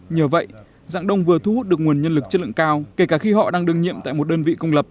nhờ vậy dạng đông vừa thu hút được nguồn nhân lực chất lượng cao kể cả khi họ đang đương nhiệm tại một đơn vị công lập